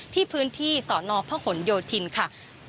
ที่พื้นที่สนพหนโยธินค่ะ